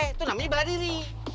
itu namanya bala diri